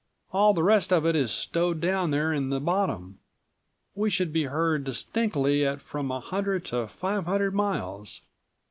All the rest of it is stowed down there in the bottom. We should be heard distinctly at from a hundred to five hundred miles.